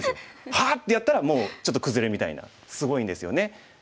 「ハアッ！」ってやったらもうちょっと崩れみたいなすごいんですよね。